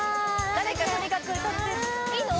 誰かとにかく歌って・いいの？